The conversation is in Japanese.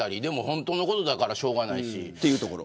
でも、ほんとのことだからしょうがないし。